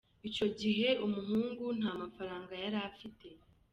Icyo gihe, umuhungu nta mafaranga yari afite.